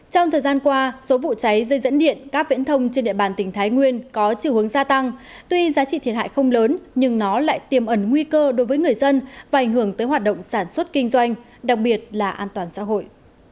trong thời gian qua số vụ cháy dây dẫn điện các viễn thông trên địa bàn tỉnh thái nguyên có chiều hướng gia tăng tuy giá trị thiệt hại không lớn nhưng nó lại tiềm ẩn nguy cơ đối với người dân và ảnh hưởng tới hoạt động sản xuất kinh doanh đặc biệt là an toàn xã hội